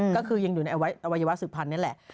ก็คือยังอยู่ในอวัยวะสุพรรณนี่แหละ